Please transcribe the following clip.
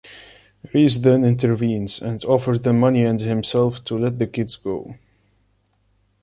Reese then intervenes and offers the money and himself to let the kids go.